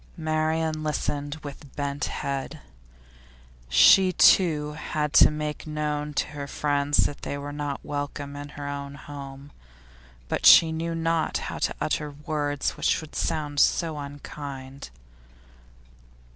Marian listened with bent head. She too had to make known to her friends that they were not welcome in her own home; but she knew not how to utter words which would sound so unkind.